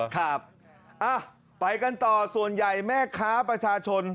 ครับไปกันต่อส่วนใหญ่แม่ค้าประชาชน